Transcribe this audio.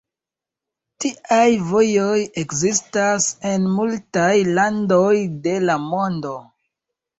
Tiaj vojoj ekzistas en multaj landoj de la mondo.